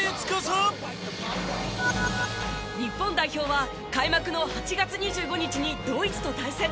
日本代表は開幕の８月２５日にドイツと対戦。